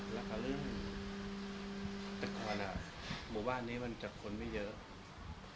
หลักอาหรือแต่ควรอ่ะหมู่บ้านนี้มันจัดคนไม่เยอะ